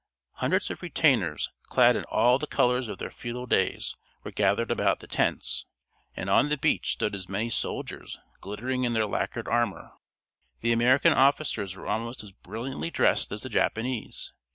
Hundreds of retainers, clad in all the colors of their feudal days, were gathered about the tents, and on the beach stood as many soldiers, glittering in their lacquered armor. The American officers were almost as brilliantly dressed as the Japanese.